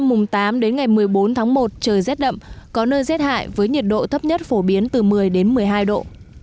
hà nội từ đêm tám đến ngày một mươi bốn tháng một trời rét đậm có nơi rét hại với nhiệt độ thấp nhất phổ biến từ một mươi một mươi hai độ